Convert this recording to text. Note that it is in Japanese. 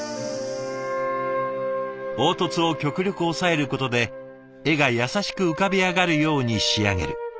凹凸を極力抑えることで絵が優しく浮かび上がるように仕上げる。